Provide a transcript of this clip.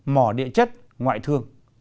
mỏ địa chất ngoại thương